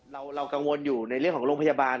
เรากังวลอยู่ในเรื่องของโรงพยาบาล